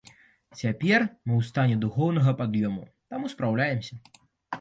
Цяпер мы ў стане духоўнага пад'ёму, таму спраўляемся.